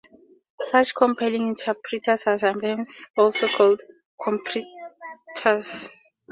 Such compiling interpreters are sometimes also called "compreters".